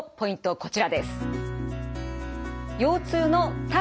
こちらです。